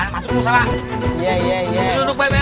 saya selalu ambil